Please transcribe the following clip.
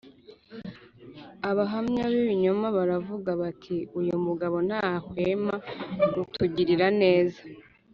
abahamya b ibinyoma baravuga bati uyu mugabo ntahwema kutugirira neza